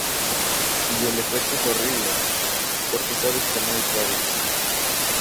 Y el efecto es horrible, porque sabes que no hay cables.